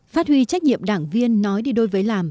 phát huy trách nhiệm đảng viên nói đi đôi với làm